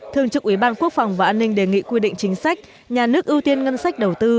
thường trực ủy ban quốc phòng và an ninh đề nghị quy định chính sách nhà nước ưu tiên ngân sách đầu tư